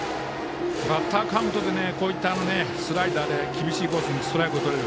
バッターカウントでスライダーで厳しいコースにストライクをとれる。